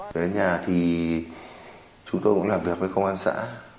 về nhà thì chúng tôi cũng làm việc với công an xã